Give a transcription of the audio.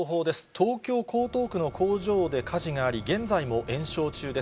東京・江東区の工場で火事があり、現在も延焼中です。